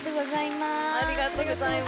ありがとうございます。